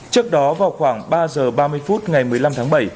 trước đó vào khoảng ba giờ ba mươi phút ngày một mươi năm tháng bảy